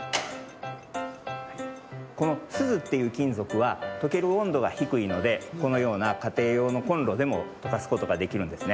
このすずっていうきんぞくはとけるおんどがひくいのでこのようなかていようのコンロでもとかすことができるんですね。